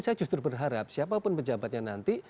saya justru berharap siapapun pejabatnya nanti